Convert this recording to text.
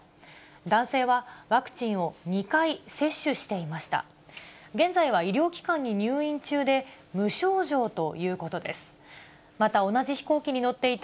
男性はワクチンを２回接種していました。